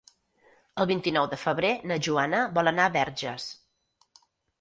El vint-i-nou de febrer na Joana vol anar a Verges.